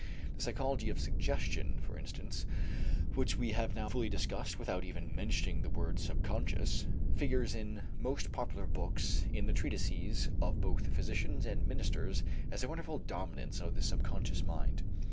The psychology of suggestion, for instance, which we have now fully discussed without even mentioning the word subconscious, figures in most popular books in the treatises of both physicians and ministers as a wonderful dominance of the subconscious mind.